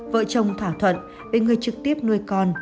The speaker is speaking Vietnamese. vợ chồng thỏa thuận về người trực tiếp nuôi con